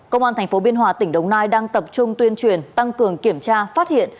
công an tp biên hòa tỉnh đồng nai đang tập trung tuyên truyền tăng cường kiểm tra phát hiện